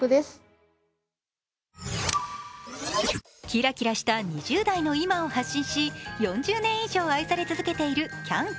キラキラした２０代の今を発信し４０年以上愛され続けている「ＣａｎＣａｍ」。